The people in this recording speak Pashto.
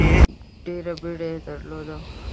ډېره بیړه یې درلوده.